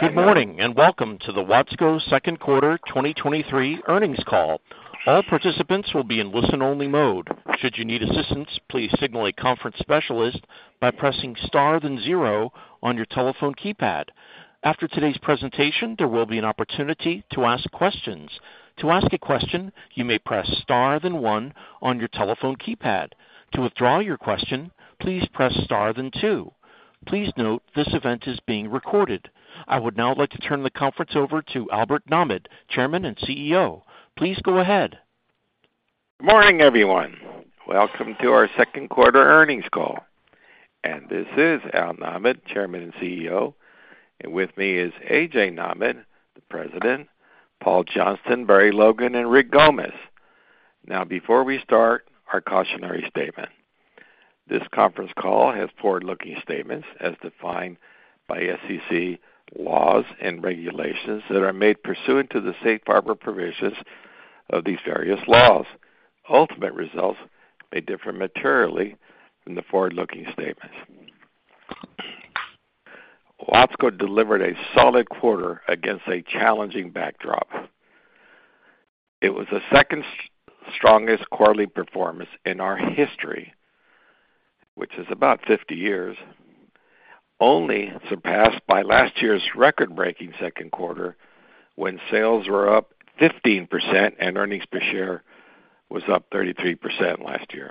Good morning, and welcome to the Watsco Second Quarter 2023 Earnings Call. All participants will be in listen-only mode. Should you need assistance, please signal a conference specialist by pressing star then zero on your telephone keypad. After today's presentation, there will be an opportunity to ask questions. To ask a question, you may press star then one on your telephone keypad. To withdraw your question, please press star then two. Please note, this event is being recorded. I would now like to turn the conference over to Albert Nahmad, Chairman and CEO. Please go ahead. Good morning, everyone. Welcome to our second quarter earnings call. This is Al Nahmad, Chairman and CEO, and with me is A.J. Nahmad, the President, Paul Johnston, Barry Logan, and Rick Gomez. Now before we start, our cautionary statement. This conference call has forward-looking statements as defined by SEC laws and regulations that are made pursuant to the safe harbor provisions of these various laws. Ultimate results may differ materially from the forward-looking statements. Watsco delivered a solid quarter against a challenging backdrop. It was the second strongest quarterly performance in our history, which is about 50 years, only surpassed by last year's record-breaking second quarter, when sales were up 15% and earnings per share was up 33% last year.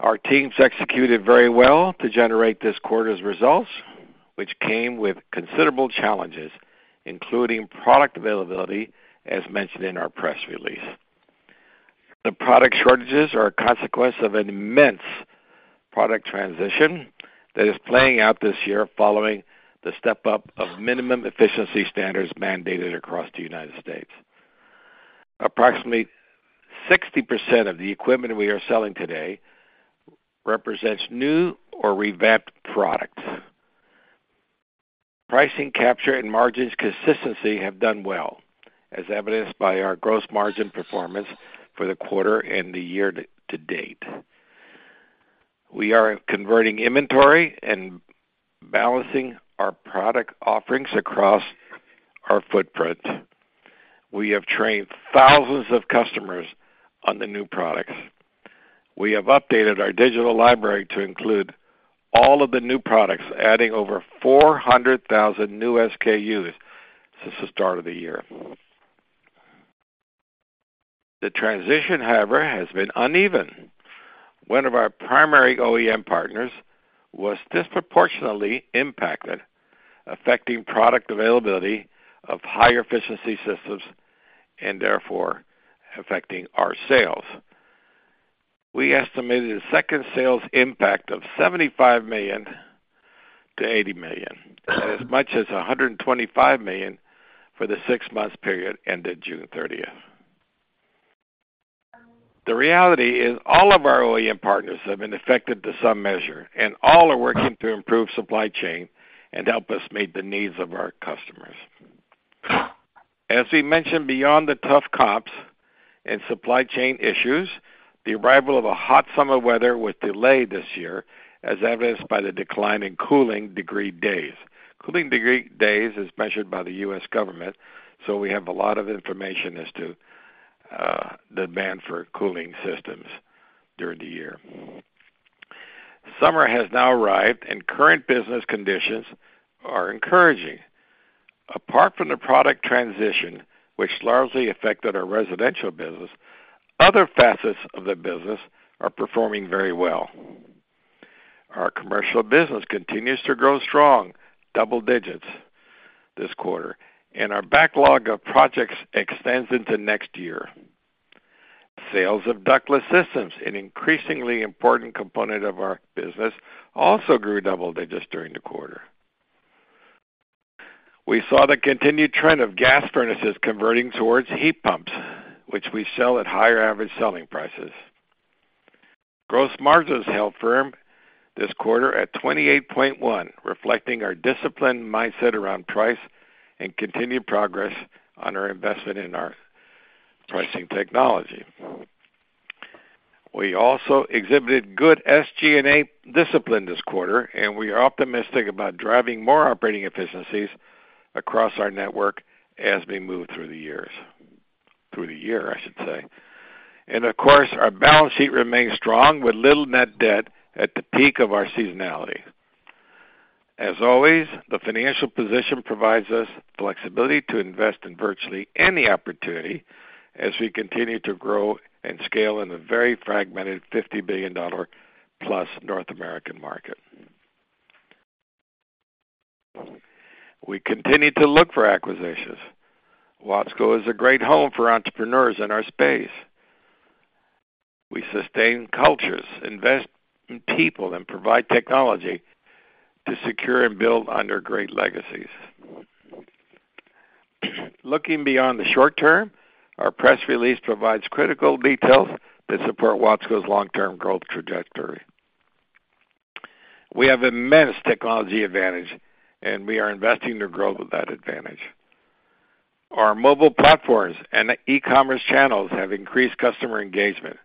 Our teams executed very well to generate this quarter's results, which came with considerable challenges, including product availability, as mentioned in our press release. The product shortages are a consequence of an immense product transition that is playing out this year following the step-up of minimum efficiency standards mandated across the United States. Approximately 60% of the equipment we are selling today represents new or revamped products. Pricing, capture, and margins consistency have done well, as evidenced by our gross margin performance for the quarter and the year to date. We are converting inventory and balancing our product offerings across our footprint. We have trained thousands of customers on the new products. We have updated our digital library to include all of the new products, adding over 400,000 new SKUs since the start of the year. The transition, however, has been uneven. One of our primary OEM partners was disproportionately impacted, affecting product availability of higher efficiency systems and therefore affecting our sales. We estimated a second sales impact of $75 million-$80 million, as much as $125 million for the six-month period ended June 30th. The reality is, all of our OEM partners have been affected to some measure, and all are working to improve supply chain and help us meet the needs of our customers. As we mentioned, beyond the tough comps and supply chain issues, the arrival of a hot summer weather was delayed this year, as evidenced by the decline in cooling degree days. Cooling degree days is measured by the U.S. government, so we have a lot of information as to the demand for cooling systems during the year. Summer has now arrived and current business conditions are encouraging. Apart from the product transition, which largely affected our residential business, other facets of the business are performing very well. Our commercial business continues to grow strong, double digits this quarter, and our backlog of projects extends into next year. Sales of ductless systems, an increasingly important component of our business, also grew double digits during the quarter. We saw the continued trend of gas furnaces converting towards heat pumps, which we sell at higher average selling prices. Gross margins held firm this quarter at 28.1%, reflecting our disciplined mindset around price and continued progress on our investment in our pricing technology. We also exhibited good SG&A discipline this quarter, and we are optimistic about driving more operating efficiencies across our network as we move through the years. Through the year, I should say. Of course, our balance sheet remains strong with little net debt at the peak of our seasonality. As always, the financial position provides us flexibility to invest in virtually any opportunity as we continue to grow and scale in a very fragmented $50 billion plus North American market. We continue to look for acquisitions. Watsco is a great home for entrepreneurs in our space. We sustain cultures, invest in people, and provide technology to secure and build on their great legacies. Looking beyond the short term, our press release provides critical details that support Watsco's long-term growth trajectory. We have immense technology advantage, and we are investing to grow with that advantage. Our mobile platforms and e-commerce channels have increased customer engagement,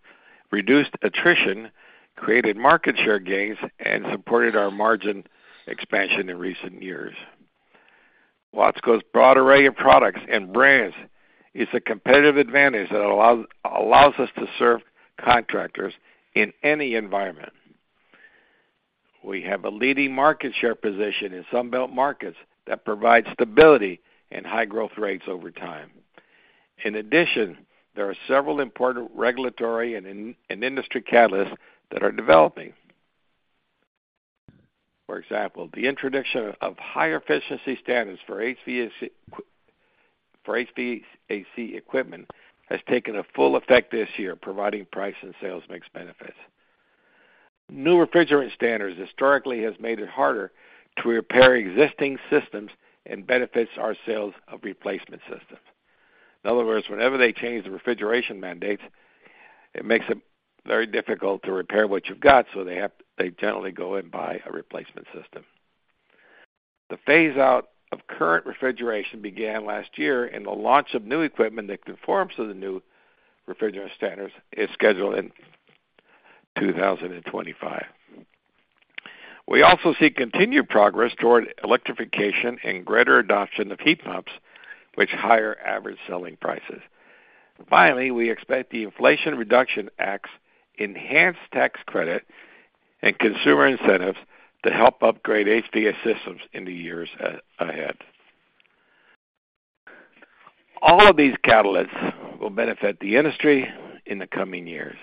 reduced attrition, created market share gains, and supported our margin expansion in recent years. Watsco's broad array of products and brands is a competitive advantage that allows, allows us to serve contractors in any environment. We have a leading market share position in Sun Belt markets that provide stability and high growth rates over time. In addition, there are several important regulatory and industry catalysts that are developing. For example, the introduction of higher efficiency standards for HVAC equipment has taken a full effect this year, providing price and sales mix benefits. New refrigerant standards historically, has made it harder to repair existing systems and benefits our sales of replacement systems. In other words, whenever they change the refrigeration mandates, it makes it very difficult to repair what you've got, so they generally go and buy a replacement system. The phaseout of current refrigeration began last year, and the launch of new equipment that conforms to the new refrigerant standards is scheduled in 2025. We also see continued progress toward electrification and greater adoption of heat pumps, which higher average selling prices. Finally, we expect the Inflation Reduction Act's enhanced tax credit and consumer incentives to help upgrade HVAC systems in the years ahead. All of these catalysts will benefit the industry in the coming years,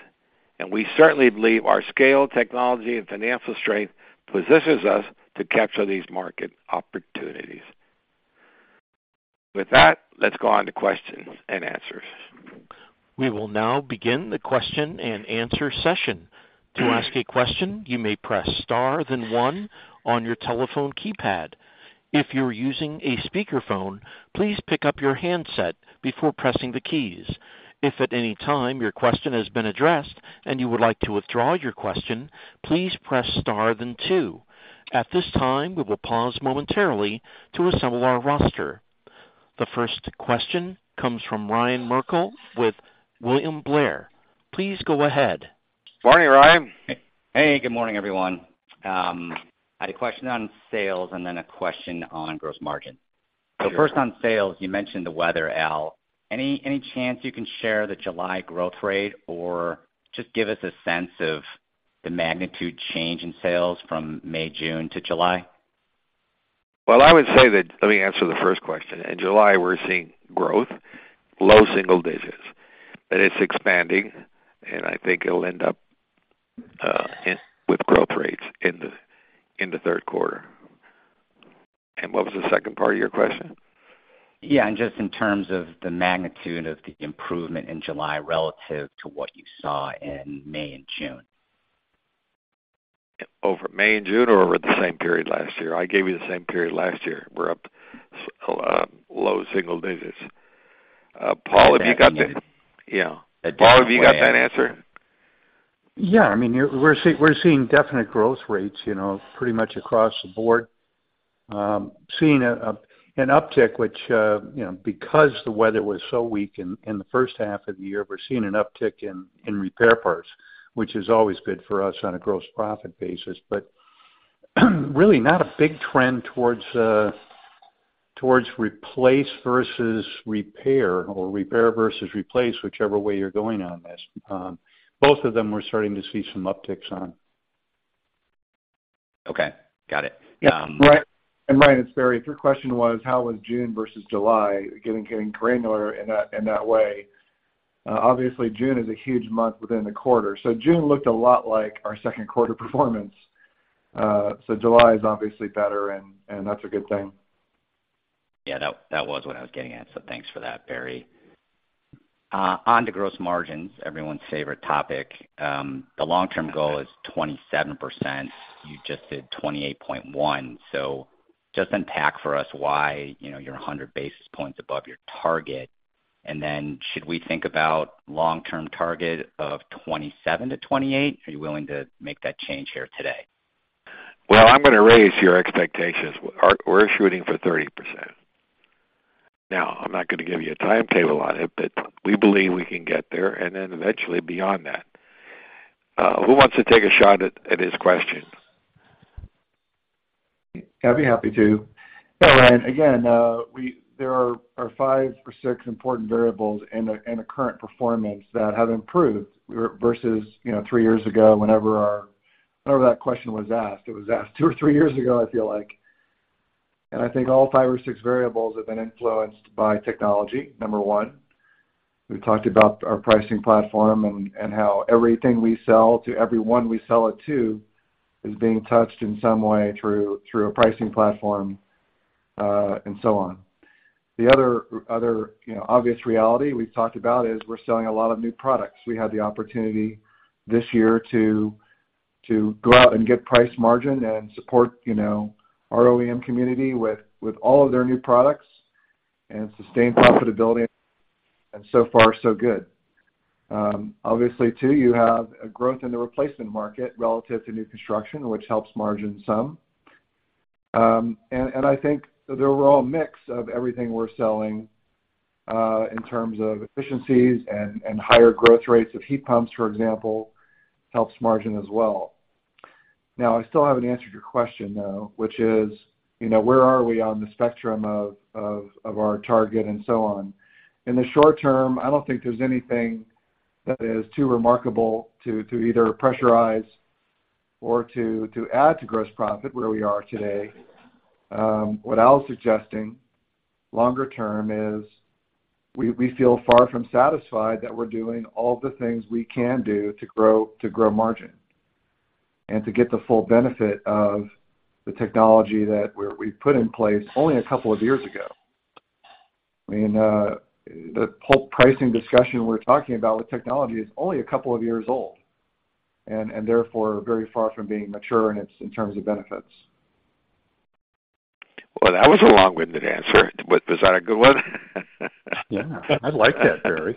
and we certainly believe our scale, technology, and financial strength positions us to capture these market opportunities. With that, let's go on to questions and answers. We will now begin the question-and-answer session. To ask a question, you may press star, then 1 on your telephone keypad. If you're using a speakerphone, please pick up your handset before pressing the keys. If at any time your question has been addressed and you would like to withdraw your question, please press star, then two. At this time, we will pause momentarily to assemble our roster. The first question comes from Ryan Merkel with William Blair. Please go ahead. Morning, Ryan. Hey, good morning, everyone. I had a question on sales and then a question on gross margin. First, on sales, you mentioned the weather, Al. Any, any chance you can share the July growth rate or just give us a sense of the magnitude change in sales from May, June to July? Well, I would say that. Let me answer the first question. In July, we're seeing growth, low single digits, but it's expanding, and I think it'll end up with growth rates in the third quarter. What was the second part of your question? Yeah, just in terms of the magnitude of the improvement in July relative to what you saw in May and June. Over May and June, or over the same period last year? I gave you the same period last year. We're up, low single digits. Paul, have you got that? Yeah. Paul, have you got that answer? Yeah, I mean, we're seeing definite growth rates, you know, pretty much across the board. Seeing a, an uptick, which, you know, because the weather was so weak in, in the first half of the year, we're seeing an uptick in, in repair parts, which is always good for us on a gross profit basis. Really not a big trend towards, towards replace versus repair or repair versus replace, whichever way you're going on this. Both of them, we're starting to see some upticks on. Okay, got it. Yeah, Ryan, and Ryan, it's Barry. If your question was, how was June versus July, getting, getting granular in that, in that way, obviously June is a huge month within the quarter. June looked a lot like our second quarter performance. July is obviously better, and, and that's a good thing. Yeah, that, that was what I was getting at, so thanks for that, Barry. Onto gross margins, everyone's favorite topic. The long-term goal is 27%. You just did 28.1%. Just unpack for us why, you know, you're 100 basis points above your target. Then should we think about long-term target of 27%-28%? Are you willing to make that change here today? Well, I'm gonna raise your expectations. We're shooting for 30%. Now, I'm not gonna give you a timetable on it, but we believe we can get there and then eventually beyond that. Who wants to take a shot at his question? I'd be happy to. Yeah, Ryan, again, we, there are five or six important variables in the current performance that have improved versus, you know, three years ago, whenever that question was asked. It was asked two or three years ago, I feel like. I think all five or six variables have been influenced by technology, number one. We talked about our pricing platform and how everything we sell to everyone we sell it to, is being touched in some way through a pricing platform, and so on. The other, you know, obvious reality we've talked about is we're selling a lot of new products. We had the opportunity this year to, to go out and get price margin and support, you know, our OEM community with, with all of their new products and sustain profitability, and so far, so good. Obviously, too, you have a growth in the replacement market relative to new construction, which helps margin some. I think the overall mix of everything we're selling, in terms of efficiencies and, and higher growth rates of heat pumps, for example, helps margin as well. Now, I still haven't answered your question, though, which is, you know, where are we on the spectrum of, of, of our target and so on? In the short term, I don't think there's anything that is too remarkable to, to either pressurize or to, to add to gross profit where we are today. What Al's suggesting, longer term, is we, we feel far from satisfied that we're doing all the things we can do to grow, to grow margin, and to get the full benefit of the technology that we put in place only a couple of years ago. I mean, the whole pricing discussion we're talking about with technology is only a couple of years old, and therefore, very far from being mature in its, in terms of benefits. Well, that was a long-winded answer, but was that a good one? Yeah, I liked that, Barry.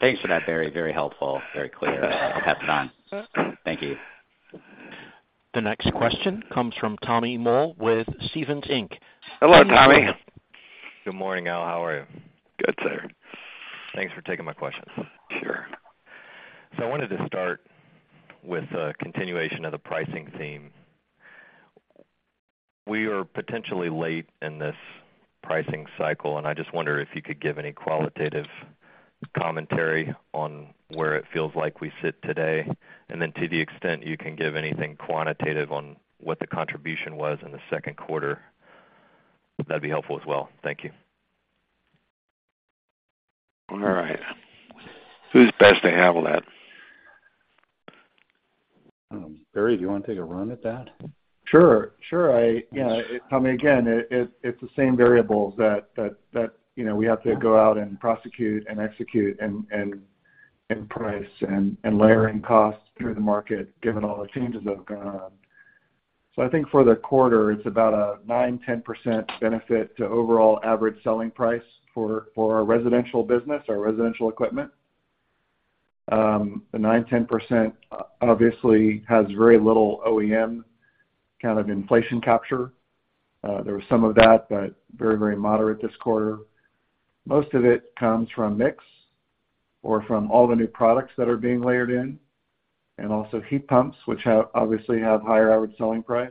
Thanks for that, Barry. Very helpful, very clear. Have fun. Thank you. The next question comes from Tommy Moll with Stephens Inc. Hello, Tommy. Good morning, Al. How are you? Good, sir. Thanks for taking my questions. Sure. I wanted to start with a continuation of the pricing theme. We are potentially late in this pricing cycle, and I just wonder if you could give any qualitative commentary on where it feels like we sit today? Then to the extent you can give anything quantitative on what the contribution was in the second quarter? That'd be helpful as well. Thank you. All right. Who's best to handle that? Barry, do you want to take a run at that? Sure, sure. I, you know, I mean, again, it, it, it's the same variables that, that, that, you know, we have to go out and prosecute and execute and, and, and price and, and layering costs through the market, given all the changes that have gone on. I think for the quarter, it's about a 9%-10% benefit to overall average selling price for, for our residential business, our residential equipment. The 9%-10% obviously has very little OEM kind of inflation capture. There was some of that, but very, very moderate this quarter. Most of it comes from mix or from all the new products that are being layered in, and also heat pumps, which have, obviously, have higher average selling price.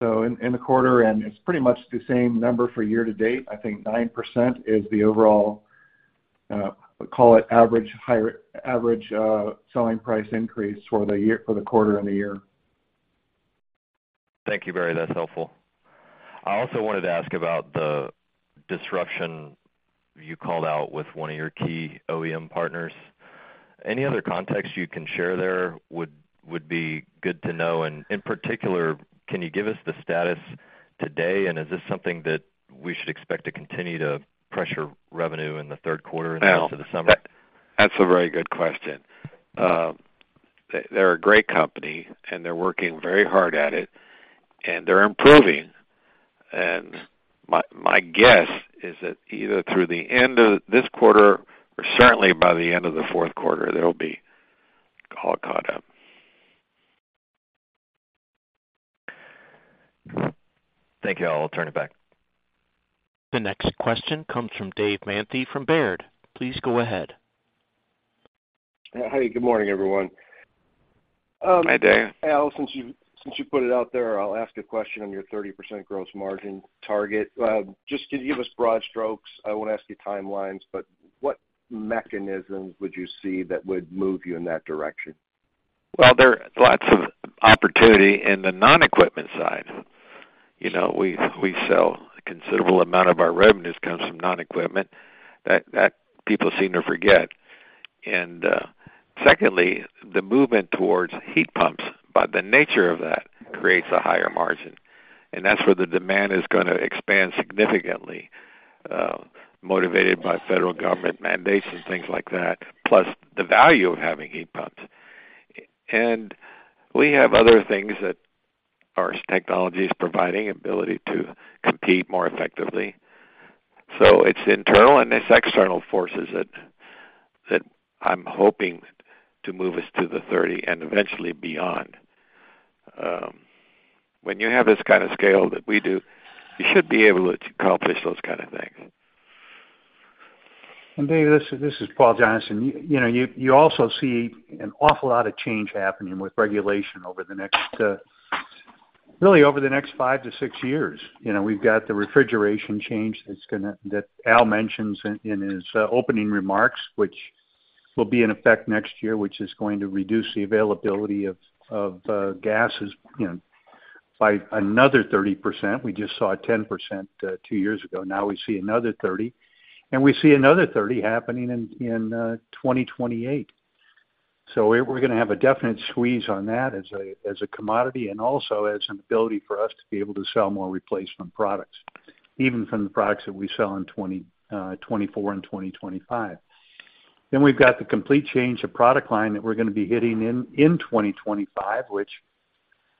In, in the quarter, and it's pretty much the same number for year to date, I think 9% is the overall, call it average, higher average, selling price increase for the year- for the quarter and the year. Thank you, Barry. That's helpful. I also wanted to ask about the disruption you called out with one of your key OEM partners. Any other context you can share there would be good to know, and in particular, can you give us the status today, and is this something that we should expect to continue to pressure revenue in the third quarter and into the summer? That's a very good question. They're a great company, and they're working very hard at it, and they're improving. My, my guess is that either through the end of this quarter or certainly by the end of the fourth quarter, they'll be all caught up. Thank you, Al. I'll turn it back. The next question comes from David Manthey from Baird. Please go ahead. Hey, good morning, everyone. Hi, Dave. Al, since you put it out there, I'll ask a question on your 30% gross margin target. Just could you give us broad strokes? I won't ask you timelines, but what mechanisms would you see that would move you in that direction? Well, there are lots of opportunity in the non-equipment side. You know, we, we sell a considerable amount of our revenues comes from non-equipment. That, that people seem to forget. Secondly, the movement towards heat pumps, by the nature of that, creates a higher margin, and that's where the demand is gonna expand significantly, motivated by federal government mandates and things like that, plus the value of having heat pumps. We have other things that our technology is providing, ability to compete more effectively. It's internal and it's external forces that, that I'm hoping to move us to the 30% and eventually beyond. When you have this kind of scale that we do, you should be able to accomplish those kind of things. Dave, this is Paul Johnston. You know, you also see an awful lot of change happening with regulation over the next, really over the next five to six years. You know, we've got the refrigeration change that Al mentions in his opening remarks, which will be in effect next year, which is going to reduce the availability of gases, you know, by another 30%. We just saw 10%, two years ago. Now we see another 30%, and we see another 30% happening in 2028. we're gonna have a definite squeeze on that as a commodity, and also as an ability for us to be able to sell more replacement products, even from the products that we sell in 2024 and 2025. We've got the complete change of product line that we're gonna be hitting in, in 2025, which,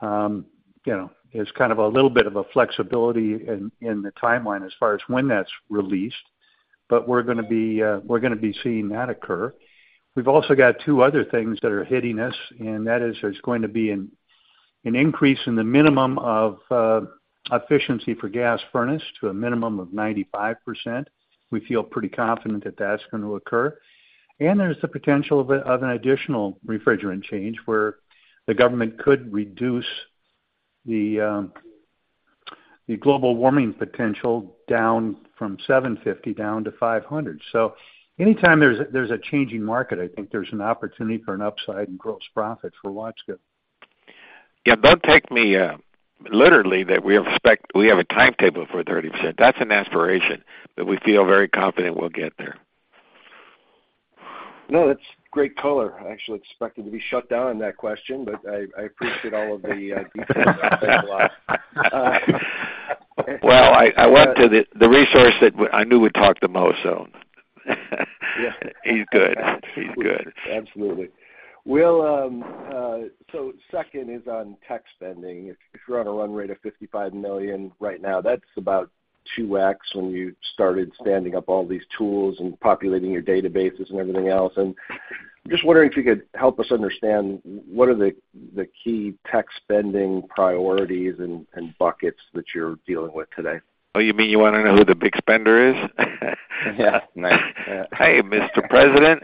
you know, is kind of a little bit of a flexibility in, in the timeline as far as when that's released. We're gonna be, we're gonna be seeing that occur. We've also got two other things that are hitting us, and that is there's going to be an increase in the minimum of efficiency for gas furnace to a minimum of 95%. We feel pretty confident that that's going to occur. There's the potential of an additional refrigerant change, where the government could reduce the global warming potential down from 750 down to 500. Anytime there's, there's a changing market, I think there's an opportunity for an upside in gross profit for Watsco. Yeah, don't take me, literally, that we expect-- we have a timetable for 30%. That's an aspiration, but we feel very confident we'll get there. No, that's great color. I actually expected to be shut down on that question, but I, I appreciate all of the details. Well, I, I went to the, the resource that I knew would talk the most, so. Yeah. He's good. He's good. Absolutely. We'll, so second is on tech spending. If, if you're on a run rate of $55 million right now, that's about 2x when you started standing up all these tools and populating your databases and everything else. I'm just wondering if you could help us understand, what are the, the key tech spending priorities and, and buckets that you're dealing with today? Oh, you mean you wanna know who the big spender is? Yeah. Nice. Hey, Mr. President.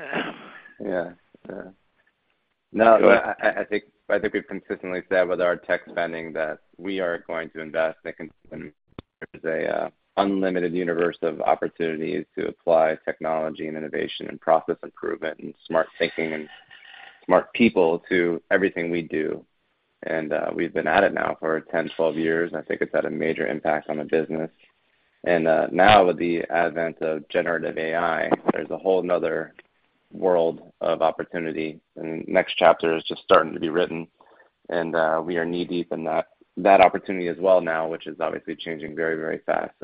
Yeah. Yeah. No, I, I, I think, I think we've consistently said with our tech spending that we are going to invest and there's a unlimited universe of opportunities to apply technology and innovation and process improvement and smart thinking and smart people to everything we do. We've been at it now for 10, 12 years, and I think it's had a major impact on the business. Now with the advent of generative AI, there's a whole another world of opportunity, and the next chapter is just starting to be written. We are knee-deep in that, that opportunity as well now, which is obviously changing very, very fast.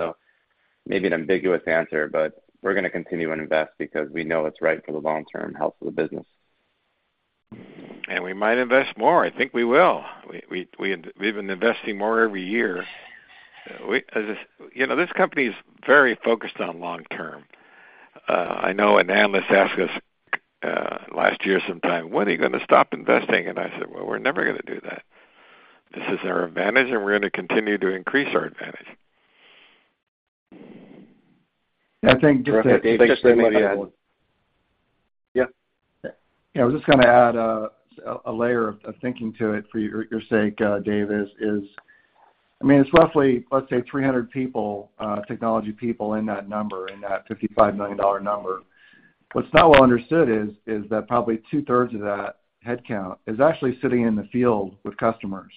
Maybe an ambiguous answer, but we're gonna continue to invest because we know it's right for the long-term health of the business. We might invest more. I think we will. We've been investing more every year. you know, this company is very focused on long term. I know an analyst asked us last year sometime, 'When are you gonna stop investing?' I said, 'Well, we're never gonna do that.' This is our advantage, and we're gonna continue to increase our advantage. I think just. Thanks, Dave. Yeah. Yeah, I was just gonna add, a layer of, of thinking to it for your, your sake, Dave, is, is... I mean, it's roughly, let's say, 300 people, technology people in that number, in that $55 million number. What's not well understood is, is that probably two-thirds of that headcount is actually sitting in the field with customers.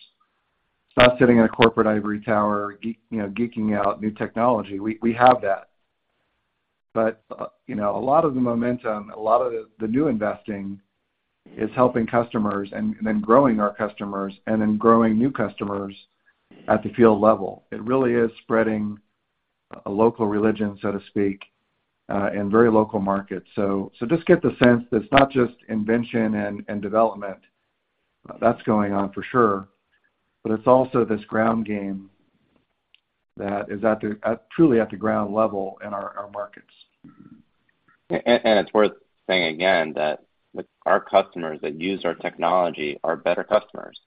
It's not sitting in a corporate ivory tower, you know, geeking out new technology. We, we have that. You know, a lot of the momentum, a lot of the, the new investing is helping customers and then growing our customers, and then growing new customers at the field level. It really is spreading a local religion, so to speak, in very local markets. Just get the sense that it's not just invention and, and development. That's going on for sure, but it's also this ground game that is at the, truly at the ground level in our, our markets. It's worth saying again, that with our customers that use our technology, are better customers.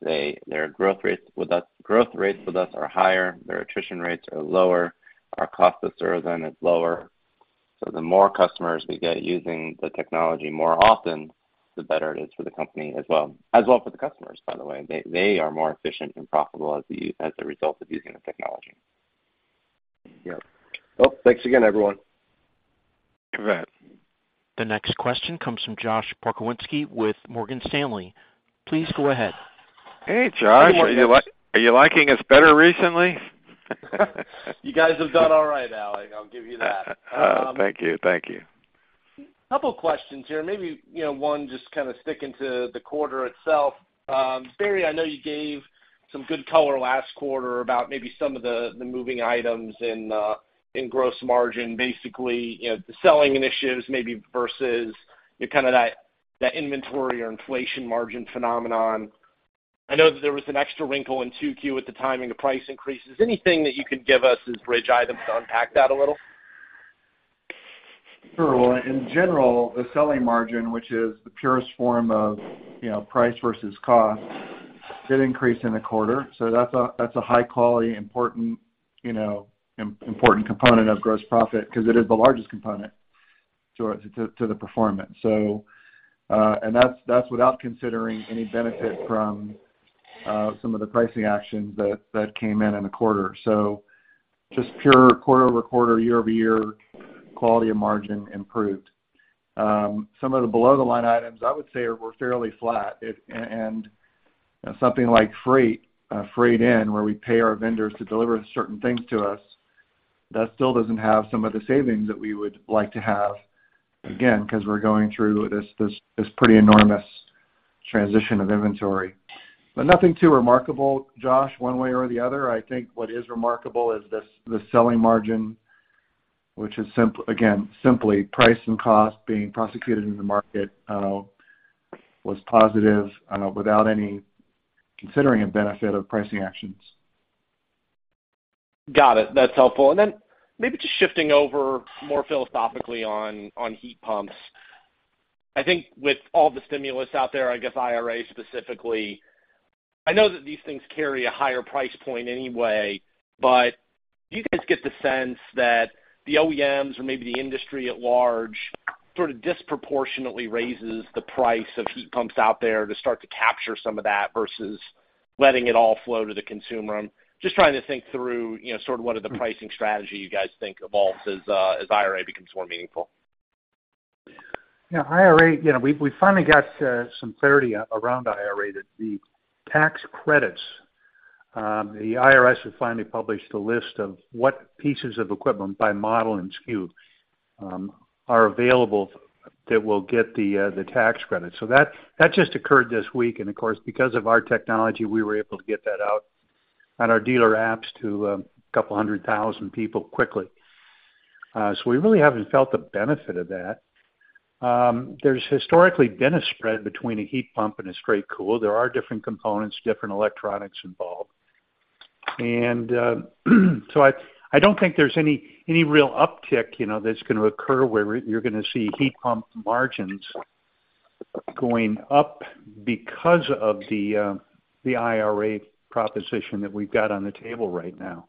Their growth rates with us, growth rates with us are higher, their attrition rates are lower, our cost of serving them is lower. The more customers we get using the technology more often, the better it is for the company as well. As well for the customers, by the way. They are more efficient and profitable as a result of using the technology. Yep. Well, thanks again, everyone. You bet. The next question comes from Josh Pokrzywinski with Morgan Stanley. Please go ahead. Hey, Josh. Are you liking us better recently? You guys have done all right, Al, I'll give you that. Thank you. Thank you. Couple questions here. Maybe, you know, one, just kind of sticking to the quarter itself. Barry, I know you gave some good color last quarter about maybe some of the, the moving items in gross margin. Basically, you know, the selling initiatives maybe versus the kind of that, that inventory or inflation margin phenomenon. I know that there was an extra wrinkle in 2Q at the timing of price increases. Anything that you could give us as bridge items to unpack that a little? Sure. Well, in general, the selling margin, which is the purest form of, you know, price versus cost, did increase in the quarter, so that's a, that's a high quality, important, you know, important component of gross profit because it is the largest component to, to, to the performance. And that's, that's without considering any benefit from, some of the pricing actions that, that came in in the quarter. Just pure quarter-over-quarter, year-over-year, quality of margin improved. Some of the below-the-line items, I would say, are were fairly flat. It, and something like freight, freight in, where we pay our vendors to deliver certain things to us, that still doesn't have some of the savings that we would like to have, again, 'cause we're going through this, this, this pretty enormous-... transition of inventory. Nothing too remarkable, Josh, one way or the other. I think what is remarkable is this, the selling margin, which is again, simply price and cost being prosecuted in the market, was positive, I know, without any considering a benefit of pricing actions. Got it. That's helpful. Then maybe just shifting over more philosophically on, on heat pumps. I think with all the stimulus out there, I guess IRA specifically, I know that these things carry a higher price point anyway, but do you guys get the sense that the OEMs or maybe the industry at large, sort of disproportionately raises the price of heat pumps out there to start to capture some of that versus letting it all flow to the consumer? I'm just trying to think through, you know, sort of what are the pricing strategy you guys think evolves as IRA becomes more meaningful. Yeah, IRA, you know, we, we finally got some clarity around IRA, that the tax credits, the IRS has finally published a list of what pieces of equipment by model and SKU, are available that will get the tax credit. That, that just occurred this week, and of course, because of our technology, we were able to get that out on our dealer apps to 200,000 people quickly. We really haven't felt the benefit of that. There's historically been a spread between a heat pump and a straight cool. There are different components, different electronics involved. I, I don't think there's any, any real uptick, you know, that's gonna occur, where you're gonna see heat pump margins going up because of the IRA proposition that we've got on the table right now.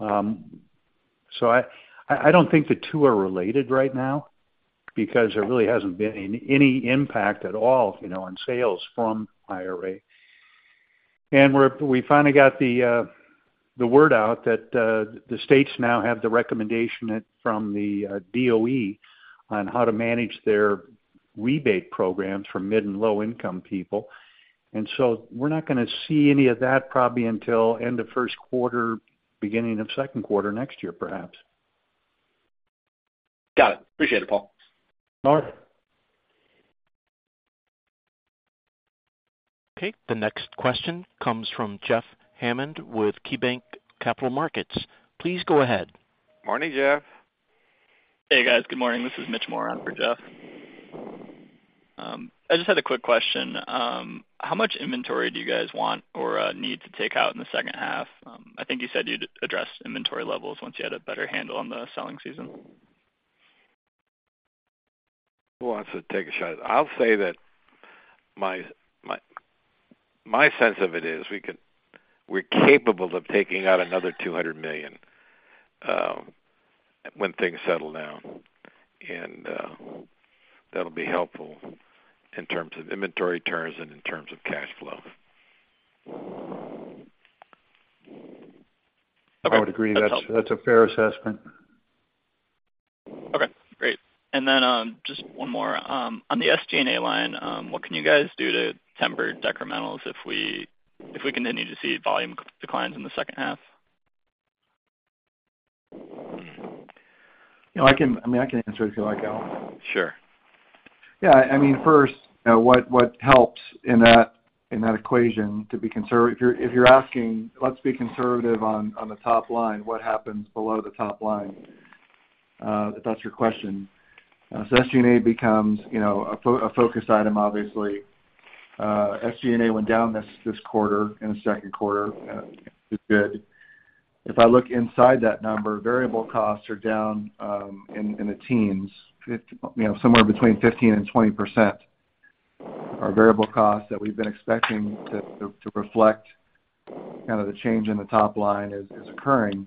I, I, I don't think the two are related right now because there really hasn't been any, any impact at all, you know, on sales from IRA. We're-- we finally got the word out that the states now have the recommendation at, from the DOE on how to manage their rebate programs for mid and low-income people. We're not gonna see any of that probably until end of first quarter, beginning of second quarter next year, perhaps. Got it. Appreciate it, Paul. All right. Okay, the next question comes from Jeffrey Hammond with KeyBanc Capital Markets. Please go ahead. Morning, Jeff. Hey, guys. Good morning. This is Mitch Moore for Jeff. I just had a quick question. How much inventory do you guys want or need to take out in the second half? I think you said you'd address inventory levels once you had a better handle on the selling season. Who wants to take a shot? I'll say that my, my, my sense of it is, we could-- we're capable of taking out another $200 million, when things settle down, that'll be helpful in terms of inventory turns and in terms of cash flow. Okay. I would agree. That's, that's a fair assessment. Okay, great. Then, just one more. On the SG&A line, what can you guys do to temper decrementals if we, if we continue to see volume declines in the second half? You know, I can... I mean, I can answer it if you like, Al? Sure. Yeah, I mean, first, you know, what, what helps in that, in that equation, to be conservative, if you're, if you're asking, let's be conservative on, on the top line, what happens below the top line? If that's your question. So SG&A becomes, you know, a focus item, obviously. SG&A went down this, this quarter, in the second quarter, is good. If I look inside that number, variable costs are down, in the teens. You know, somewhere between 15% and 20% are variable costs that we've been expecting to, to, to reflect kind of the change in the top line is occurring.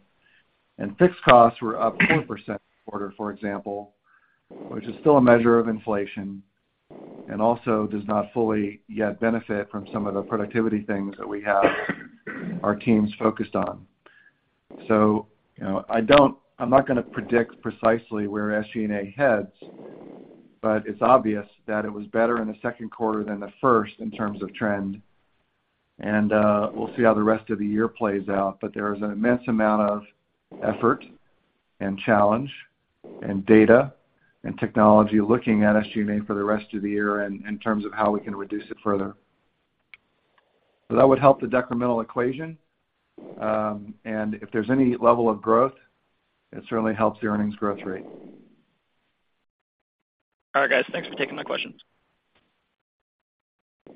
Fixed costs were up 4% quarter, for example, which is still a measure of inflation and also does not fully yet benefit from some of the productivity things that we have our teams focused on. You know, I'm not gonna predict precisely where SG&A heads, but it's obvious that it was better in the second quarter than the first in terms of trend, and we'll see how the rest of the year plays out. There is an immense amount of effort and challenge and data and technology looking at SG&A for the rest of the year in, in terms of how we can reduce it further. That would help the decremental equation, and if there's any level of growth, it certainly helps the earnings growth rate. All right, guys. Thanks for taking my questions.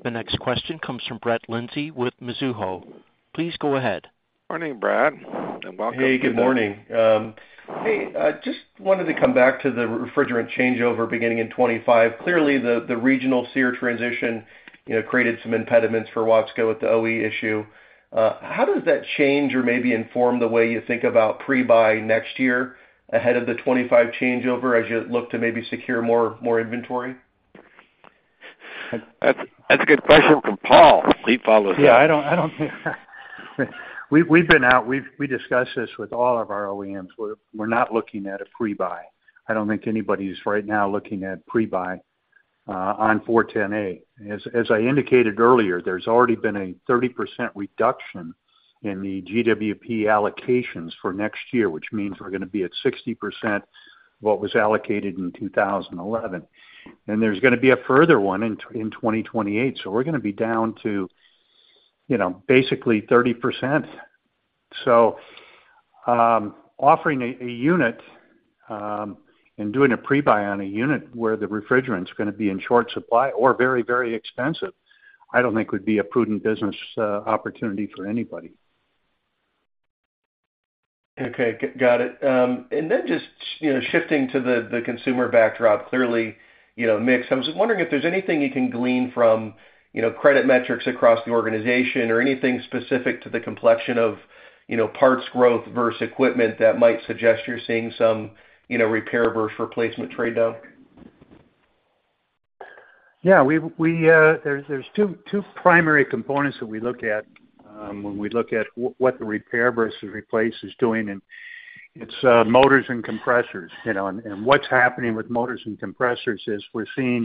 The next question comes from Brett Linzey with Mizuho. Please go ahead. Morning, Brett, and welcome. Hey, good morning. Hey, I just wanted to come back to the refrigerant changeover beginning in 2025. Clearly, the, the regional SEER transition, you know, created some impediments for Watsco with the OE issue. How does that change or maybe inform the way you think about pre-buy next year ahead of the 2025 changeover, as you look to maybe secure more, more inventory? That's, that's a good question for Paul. He follows that. Yeah, I don't, I don't think. We've, we've been out, we discussed this with all of our OEMs. We're, we're not looking at a pre-buy. I don't think anybody is right now looking at pre-buy, on R-410A. As, as I indicated earlier, there's already been a 30% reduction in the GWP allocations for next year, which means we're gonna be at 60% what was allocated in 2011. There's gonna be a further one in, in 2028. We're gonna be down to, you know, basically 30%. Offering a, a unit, and doing a pre-buy on a unit where the refrigerant is gonna be in short supply or very, very expensive, I don't think would be a prudent business, opportunity for anybody. Okay, got it. Then just, you know, shifting to the, the consumer backdrop, clearly, you know, mix. I was just wondering if there's anything you can glean from, you know, credit metrics across the organization or anything specific to the complexion of, you know, parts growth versus equipment that might suggest you're seeing some, you know, repair versus replacement trade-down? Yeah, we, we, there's, there's two, two primary components that we look at when we look at what the repair versus replace is doing, and it's motors and compressors, you know. What's happening with motors and compressors is we are,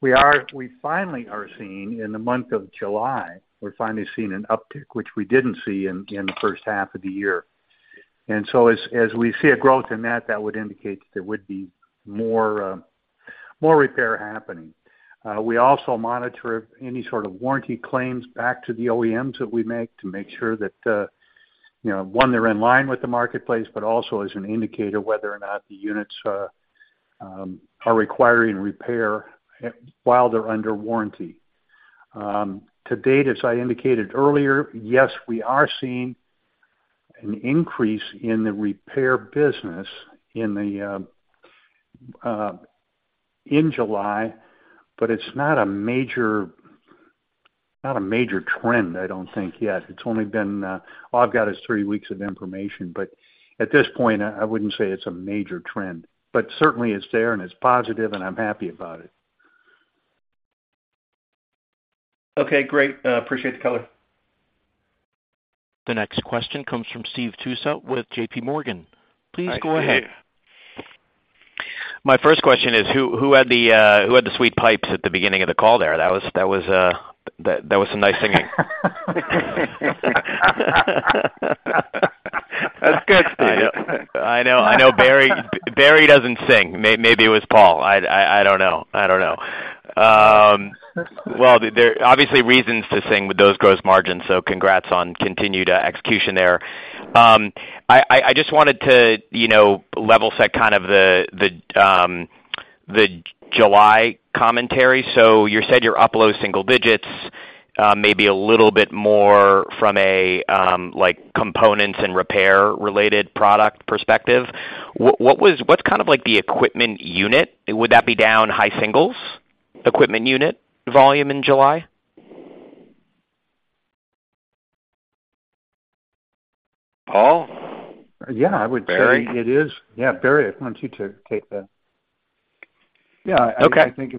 we finally are seeing, in the month of July, we're finally seeing an uptick, which we didn't see in, in the first half of the year. As, as we see a growth in that, that would indicate that there would be more, more repair happening. We also monitor any sort of warranty claims back to the OEMs that we make to make sure that, you know, one, they're in line with the marketplace, but also as an indicator whether or not the units are requiring repair while they're under warranty. To date, as I indicated earlier, yes, we are seeing an increase in the repair business in July, but it's not a major, not a major trend, I don't think yet. It's only been all I've got is three weeks of information. At this point, I, I wouldn't say it's a major trend, but certainly it's there, and it's positive, and I'm happy about it. Okay, great. Appreciate the color. The next question comes from Steve Tusa with JPMorgan. Please go ahead. My first question is, who, who had the, who had the sweet pipes at the beginning of the call there? That was, that was, that was some nice singing. That's good, Steve. I know, I know Barry. Barry doesn't sing. Maybe it was Paul. I don't know. I don't know. Well, there are obviously reasons to sing with those gross margins, so congrats on continued execution there. I just wanted to, you know, level set kind of the July commentary. So you said you're up low single digits, maybe a little bit more from a like, components and repair related product perspective. What's kind of like the equipment unit? Would that be down high singles, equipment unit volume in July? Paul? Yeah, I would. Barry? it is. Yeah, Barry, I want you to take that. Yeah. Okay. I think,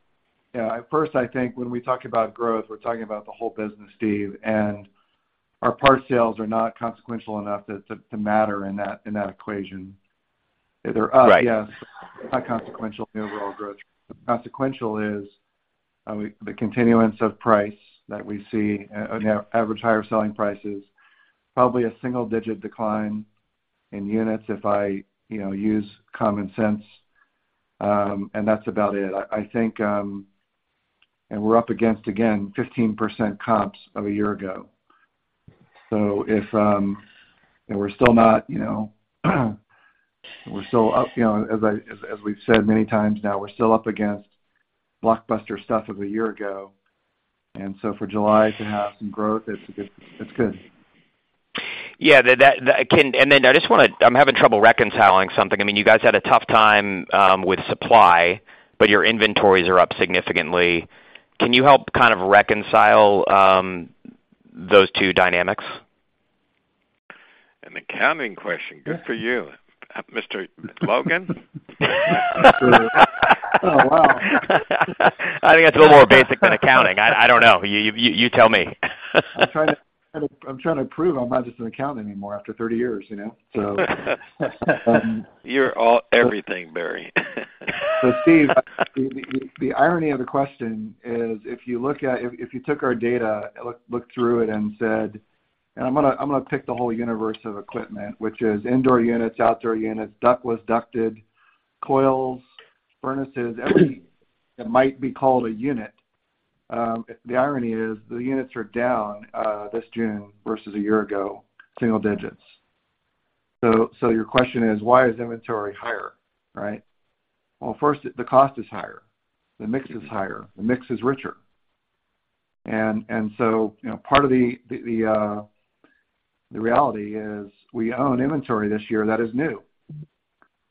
yeah, first, I think when we talk about growth, we're talking about the whole business, Steve, and our parts sales are not consequential enough to, to matter in that, in that equation. Right. They're up, yes, but not consequential in the overall growth. Consequential is, the continuance of price that we see, average higher selling prices, probably a single-digit decline in units if I, you know, use common sense, and that's about it. I, I think. We're up against, again, 15% comps of a year ago. If, and we're still not, you know, we're still up, you know, as I, as, as we've said many times now, we're still up against blockbuster stuff of a year ago. For July to have some growth, it's a good... it's good. Yeah, that, that, again, then I just wanna, I'm having trouble reconciling something. I mean, you guys had a tough time with supply, but your inventories are up significantly. Can you help kind of reconcile those two dynamics? An accounting question. Good for you, Mr. Logan. Oh, wow! I think that's a little more basic than accounting. I, I don't know. You, you, you tell me. I'm trying to, I'm trying to prove I'm not just an accountant anymore after 30 years, you know? So... You're all, everything, Barry. Steve, the irony of the question is, if you look at if you took our data, looked through it and said, I'm gonna pick the whole universe of equipment, which is indoor units, outdoor units, ductless, ducted, coils, furnaces, everything that might be called a unit. The irony is the units are down this June versus a year ago, single digits. Your question is, why is inventory higher, right? Well, first, the cost is higher, the mix is higher, the mix is richer. You know, part of the reality is we own inventory this year that is new.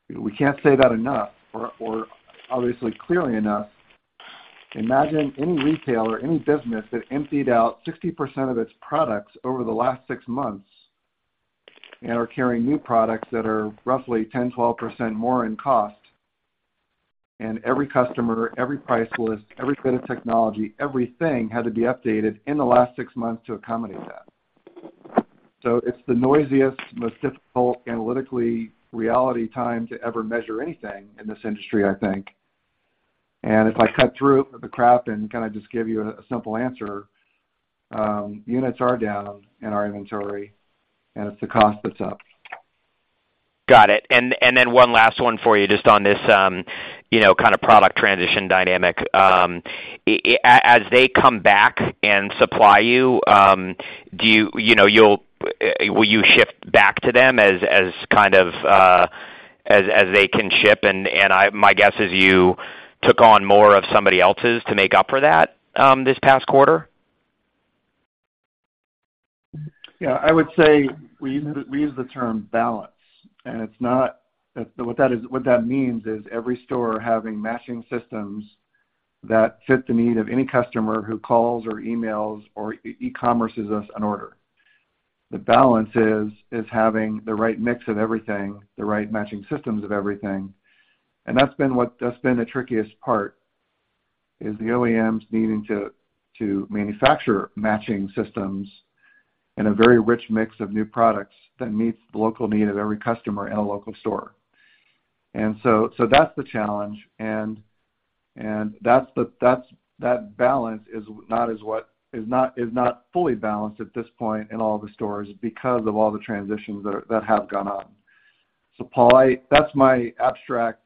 We can't say that enough or obviously clearly enough. Imagine any retailer, any business that emptied out 60% of its products over the last six months and are carrying new products that are roughly 10%, 12% more in cost, and every customer, every price list, every bit of technology, everything had to be updated in the last six months to accommodate that. It's the noisiest, most difficult, analytically, reality time to ever measure anything in this industry, I think. If I cut through the crap and kind of just give you a simple answer, units are down in our inventory, and it's the cost that's up. Got it. Then one last one for you, just on this, you know, kind of product transition dynamic. As they come back and supply you, do you, you know, you'll, will you shift back to them as, as kind of, as, as they can ship? My guess is you took on more of somebody else's to make up for that, this past quarter? Yeah, I would say we use the, we use the term balance, what that is, what that means is every store having matching systems that fit the need of any customer who calls or emails or e-commerce's us an order. The balance is, is having the right mix of everything, the right matching systems of everything. That's been the trickiest part, is the OEMs needing to, to manufacture matching systems in a very rich mix of new products that meets the local need of every customer in a local store. That's the challenge, and, and that's the, that's, that balance is not, is not fully balanced at this point in all the stores because of all the transitions that are, that have gone on. Paul, I, that's my abstract,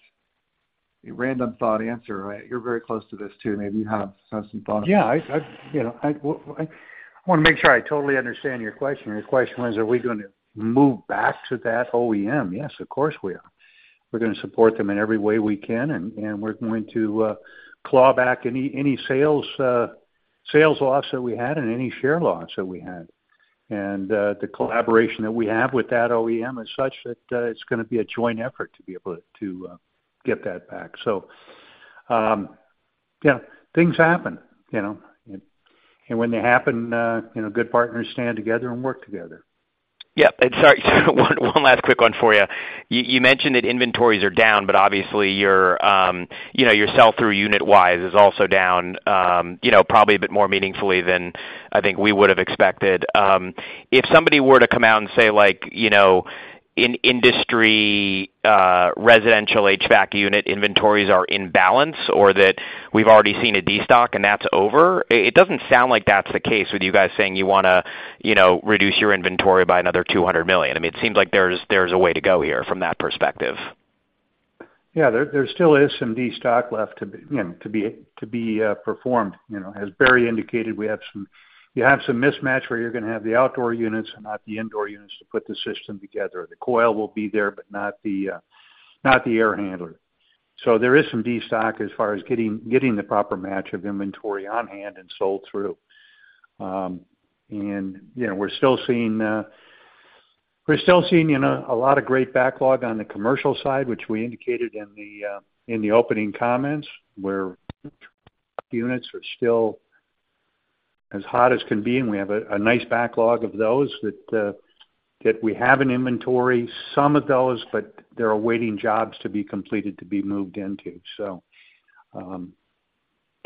random thought answer, right? You're very close to this, too. Maybe you have some thoughts. Yeah, I, I, you know, I wanna make sure I totally understand your question. Your question was, are we gonna move back to that OEM? Yes, of course, we are. We're gonna support them in every way we can, and we're going to claw back any, any sales, sales loss that we had and any share loss that we had. The collaboration that we have with that OEM is such that, it's gonna be a joint effort to be able to get that back. Yeah, things happen, you know, and when they happen, you know, good partners stand together and work together. Yep, sorry, one, one last quick one for you. You, you mentioned that inventories are down, but obviously, your, you know, your sell-through unit wise is also down, you know, probably a bit more meaningfully than I think we would have expected. If somebody were to come out and say, like, you know, in industry, residential HVAC unit inventories are in balance, or that we've already seen a destock and that's over, it, it doesn't sound like that's the case with you guys saying you wanna, you know, reduce your inventory by another $200 million. I mean, it seems like there's, there's a way to go here from that perspective. Yeah, there, there still is some destock left to be, you know, to be, to be performed. You know, as Barry indicated, you have some mismatch where you're gonna have the outdoor units and not the indoor units to put the system together. The coil will be there, but not the, not the air handler. There is some destock as far as getting, getting the proper match of inventory on hand and sold through. You know, we're still seeing, we're still seeing, you know, a lot of great backlog on the commercial side, which we indicated in the opening comments, where units are still as hot as can be, and we have a, a nice backlog of those that we have in inventory, some of those, but they're awaiting jobs to be completed, to be moved into.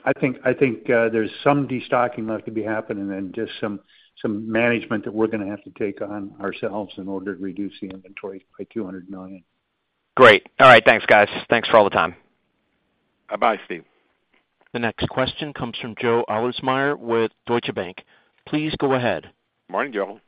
I think, I think, there's some destocking left to be happening and just some, some management that we're gonna have to take on ourselves in order to reduce the inventory by $200 million. Great. All right. Thanks, guys. Thanks for all the time. Bye-bye, Steve. The next question comes from Joe Ahlersmeyer with Deutsche Bank. Please go ahead. Morning, Joe.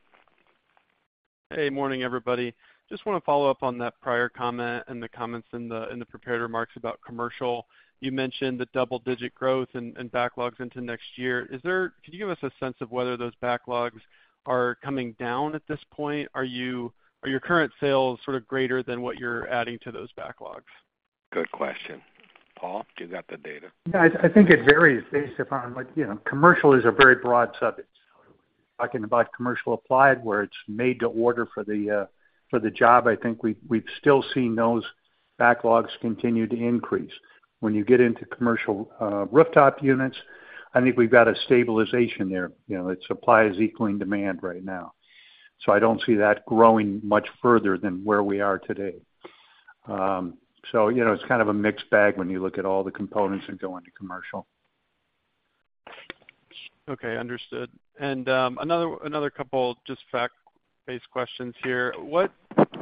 Hey, morning, everybody. Just wanna follow up on that prior comment and the comments in the, in the prepared remarks about commercial. You mentioned the double-digit growth and, and backlogs into next year. Could you give us a sense of whether those backlogs are coming down at this point? Are your current sales sort of greater than what you're adding to those backlogs? Good question. Paul, do you got the data? Yeah, I, I think it varies based upon, like, you know, commercial is a very broad subject. Talking about commercial applied, where it's made to order for the for the job, I think we've, we've still seen those backlogs continue to increase. When you get into commercial, rooftop units, I think we've got a stabilization there. You know, it's supply is equaling demand right now. I don't see that growing much further than where we are today. You know, it's kind of a mixed bag when you look at all the components that go into commercial. Okay, understood. Another, another couple just fact-based questions here. What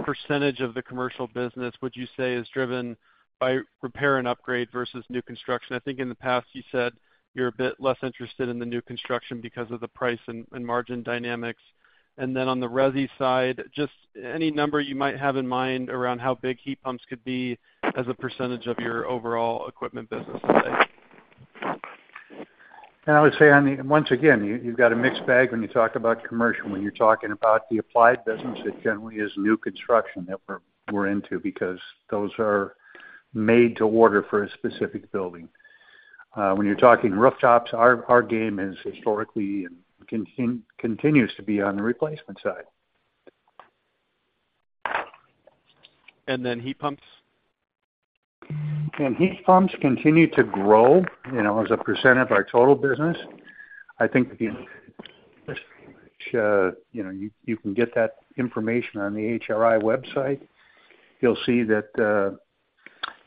percentage of the commercial business would you say is driven by repair and upgrade versus new construction? I think in the past you said you're a bit less interested in the new construction because of the price and, and margin dynamics. Then on the resi side, just any number you might have in mind around how big heat pumps could be as a percentage of your overall equipment business today? I would say on the once again, you've got a mixed bag when you talk about commercial. When you're talking about the applied business, it generally is new construction that we're into, because those are made to order for a specific building. When you're talking rooftops, our, our game is historically and continues to be on the replacement side. Then heat pumps? Heat pumps continue to grow, you know, as a percent of our total business. I think the, you know, you, you can get that information on the HRI website. You'll see that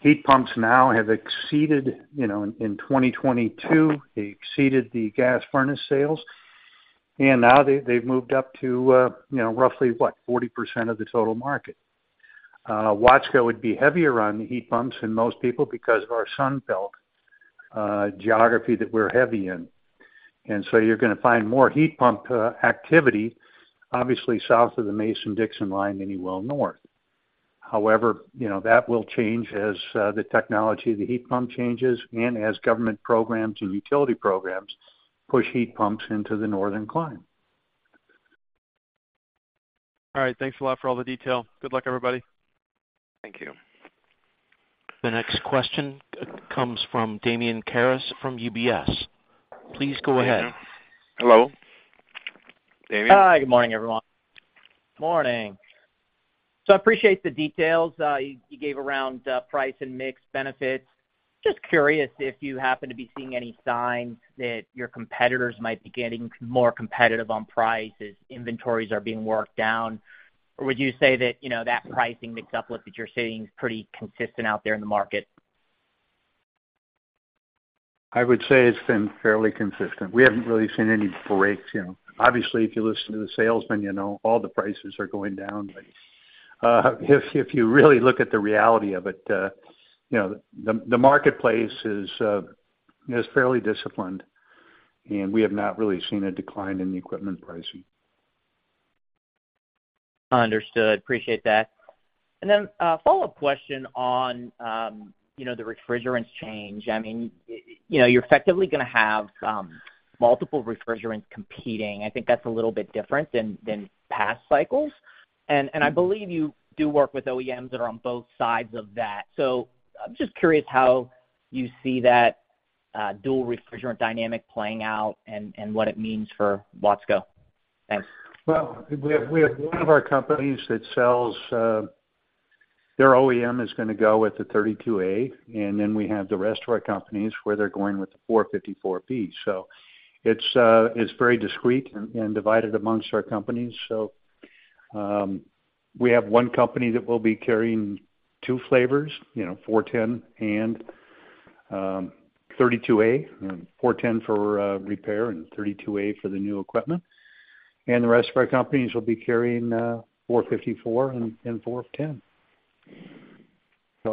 heat pumps now have exceeded, you know, in 2022, they exceeded the gas furnace sales, and now they, they've moved up to, you know, roughly, what, 40% of the total market. Watsco would be heavier on the heat pumps than most people because of our sunbelt geography that we're heavy in. You're gonna find more heat pump activity, obviously, south of the Mason-Dixon Line than you will north. However, you know, that will change as the technology of the heat pump changes and as government programs and utility programs push heat pumps into the northern clime. All right. Thanks a lot for all the detail. Good luck, everybody. Thank you. The next question comes from Damian Karas from UBS. Please go ahead. Hello, Damian. Hi, good morning, everyone. Morning. I appreciate the details you, you gave around price and mix benefits. Just curious if you happen to be seeing any signs that your competitors might be getting more competitive on price as inventories are being worked down, or would you say that, you know, that pricing mix uplift that you're seeing is pretty consistent out there in the market? I would say it's been fairly consistent. We haven't really seen any breaks, you know. Obviously, if you listen to the salesman, you know, all the prices are going down. If, if you really look at the reality of it, you know, the, the marketplace is, is fairly disciplined, and we have not really seen a decline in the equipment pricing. Understood. Appreciate that. A follow-up question on, you know, the refrigerants change. I mean, you know, you're effectively gonna have multiple refrigerants competing. I think that's a little bit different than, than past cycles. I believe you do work with OEMs that are on both sides of that. I'm just curious how you see that dual refrigerant dynamic playing out and what it means for Watsco. Thanks. Well, we have, we have one of our companies that sells. Their OEM is gonna go with the 32A. Then we have the rest of our companies, where they're going with the 454B. It's, it's very discreet and, and divided amongst our companies. We have one company that will be carrying two flavors, you know, 410 and, 32A. 410 for repair and 32A for the new equipment. The rest of our companies will be carrying, 454 and, and 410.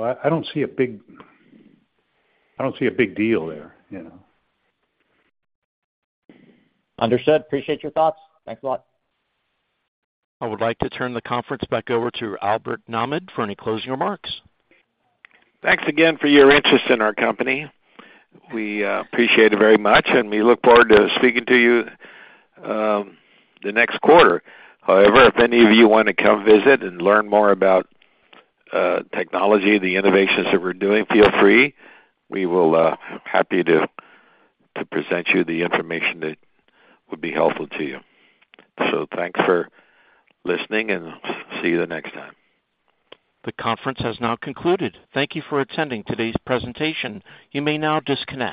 I, I don't see a big, I don't see a big deal there, you know? Understood. Appreciate your thoughts. Thanks a lot. I would like to turn the conference back over to Albert Nahmad for any closing remarks. Thanks again for your interest in our company. We appreciate it very much, and we look forward to speaking to you the next quarter. However, if any of you wanna come visit and learn more about technology, the innovations that we're doing, feel free. We will happy to present you the information that would be helpful to you. Thanks for listening, and see you the next time. The conference has now concluded. Thank you for attending today's presentation. You may now disconnect.